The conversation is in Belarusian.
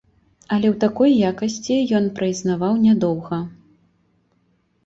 Але ў такой якасці ён праіснаваў нядоўга.